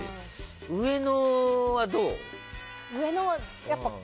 上野はどう？